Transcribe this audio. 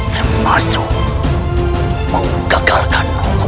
termasuk menggagalkan pemerintah